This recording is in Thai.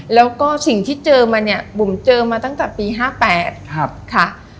แล้วก็สิ่งที่เจอมาเนี่ยบุ๋มเจอมาตั้งแต่ปี๕๘ค่ะ